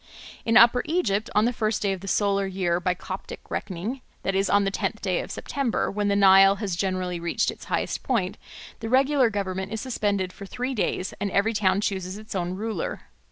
In Upper Egypt on the first day of the solar year by Coptic reckoning, that is, on the tenth of September, when the Nile has generally reached its highest point, the regular government is suspended for three days and every town chooses its own ruler.